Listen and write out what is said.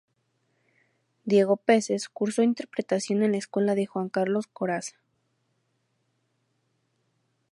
Diego Peces cursó interpretación en la escuela de Juan Carlos Corazza.